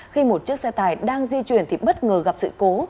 khi một chiếc xe tải đang di chuyển thì bất ngờ gặp sự cố